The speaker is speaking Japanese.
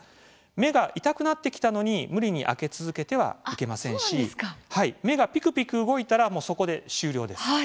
目が痛くなってきたのに無理に開け続けてはいけませんし目が、ぴくぴく動いたらそこで終了です。